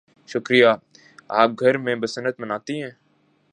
شکریہ. آپ گھر میں بسنت مناتی ہیں؟